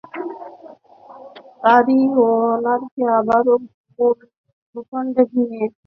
তাইওয়ানকে আবারও মূল ভূখণ্ডের সঙ্গে একত্র করে নেওয়ার আশা করে চীন।